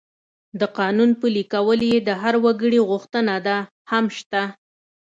د قانون پلي کول چې د هر وګړي غوښتنه ده، هم شته.